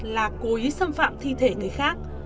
là cố ý xâm phạm thi thể người khác